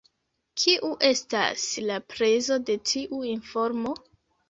Kiu estas la prezo de tiu informo?